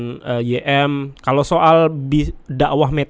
kalau soal dakwah metodiknya gitu ya kalau soal dakwah metodiknya gitu ya komitmen ym